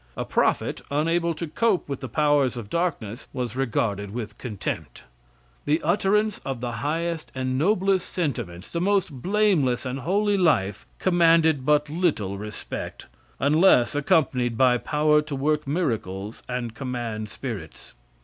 A prophet, unable to cope with the powers of darkness, was regarded with contempt. The utterance of the highest and noblest sentiments, the most blameless and holy life, commanded but little respect, unless accompanied by power to work miracles and command spirits.